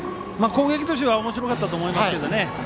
攻撃としてはおもしろかったと思いますけどね。